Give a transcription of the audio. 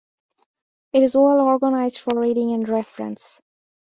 It is well organized for reading and reference.